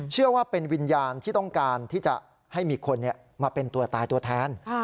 เชื่อว่าเป็นวิญญาณที่ต้องการที่จะให้มีคนมาเป็นตัวตายตัวแทน